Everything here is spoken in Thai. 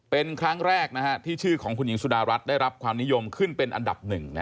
เป็นครั้งแรกที่ชื่อของคุณหญิงสุดารัฐได้รับความนิยมขึ้นเป็นอันดับ๑